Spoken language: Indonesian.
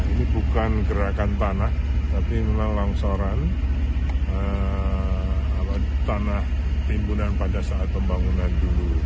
ini bukan gerakan tanah tapi memang longsoran tanah timbunan pada saat pembangunan dulu